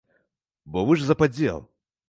Бо вы ж за падзел.